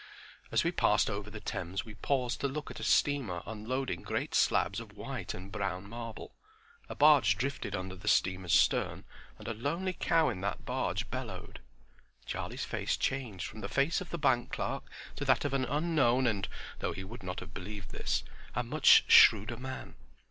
As we passed over the Thames we paused to look at a steamer unloading great slabs of white and brown marble. A barge drifted under the steamer's stern and a lonely cow in that barge bellowed. Charlie's face changed from the face of the bank clerk to that of an unknown and—though he would not have believed this—a much shrewder man.